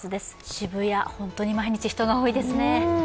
渋谷、本当に毎日人が多いですね。